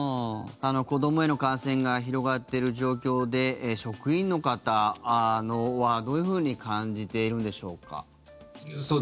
子どもへの感染が広がっている状況で職員の方は、どういうふうに感じているんでしょうか？